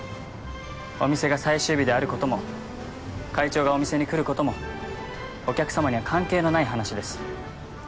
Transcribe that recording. お店が最終日であることも会長がお店に来ることもお客様には関係のない話です。